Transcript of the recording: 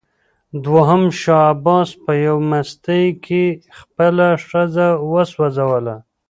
دوهم شاه عباس په یوه مستۍ کې خپله ښځه وسوځوله.